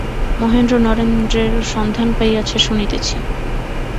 মহেন্দ্র নরেন্দ্রের সন্ধান পাইয়াছে শুনিতেছি।